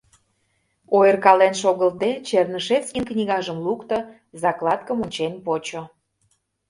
Ойыркален шогылтде, Чернышевскийын книгажым лукто, закладкым ончен почо.